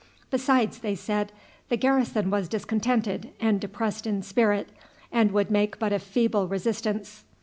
Besides, they said, the garrison was discontented and depressed in spirit, and would make but a feeble resistance.